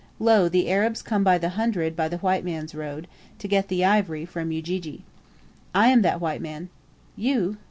Lo, the Arabs come by the hundred by the white man's road, to get the ivory from Ujiji. "I am that white man." "You?"